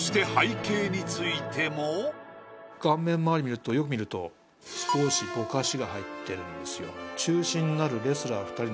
そしてよく見ると少しぼかしが入ってるんですよ。